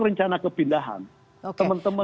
rencana kepindahan teman teman